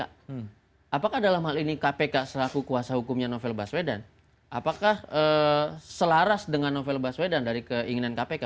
apakah dalam hal ini kpk selaku kuasa hukumnya novel baswedan apakah selaras dengan novel baswedan dari keinginan kpk